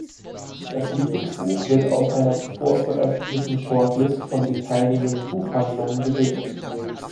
Das Lieblingsbuch wird aus einer zuvor veröffentlichten Shortlist von den teilnehmenden Buchhandlungen gewählt.